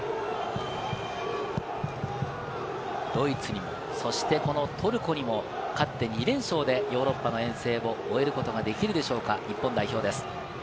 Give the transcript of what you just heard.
ドイツにもトルコにも勝って、２連勝でヨーロッパの遠征を終えることができるでしょうか、日本代表です。